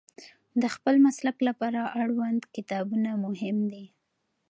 د خپل مسلک لپاره اړوند کتابونه مهم دي.